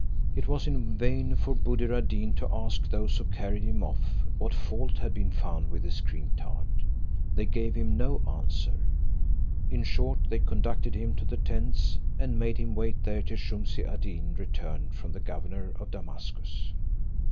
It was in vain for Buddir ad Deen to ask those who carried him off, what fault had been found with his cream tart: they gave him no answer. In short, they conducted him to the tents, and made him wait there till Shumse ad Deen returned from the governor of Damascus.